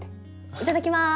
いただきます！